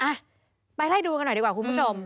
อ่ะไปไล่ดูกันหน่อยดีกว่าคุณผู้ชม